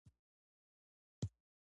د هبل جریان ګلکسي ګرځوي.